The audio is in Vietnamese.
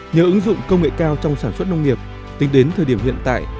nhờ ứng dụng công nghệ cao trong sản xuất nông nghiệp tính đến thời điểm hiện tại